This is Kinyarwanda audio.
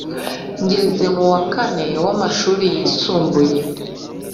ngeze mu wa kane w’amashuri yisumbuye,